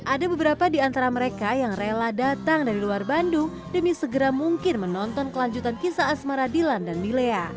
ada beberapa di antara mereka yang rela datang dari luar bandung demi segera mungkin menonton kelanjutan kisah asmara dilan dan milea